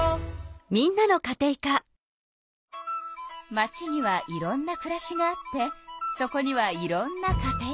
街にはいろんなくらしがあってそこにはいろんなカテイカが。